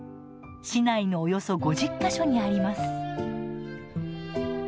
市内のおよそ５０か所にあります。